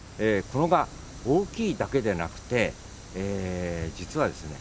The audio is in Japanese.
このガ大きいだけでなくてえ実はですね